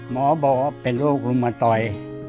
หมอบอกว่าเป็นโรครุมตอย